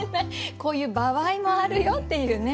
こういう場合もあるよっていうね。